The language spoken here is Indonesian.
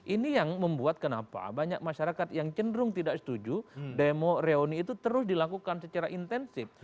ini yang membuat kenapa banyak masyarakat yang cenderung tidak setuju demo reuni itu terus dilakukan secara intensif